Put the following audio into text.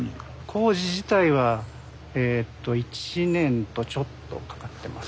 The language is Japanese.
工事自体は１年とちょっとかかってますね。